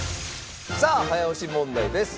さあ早押し問題です。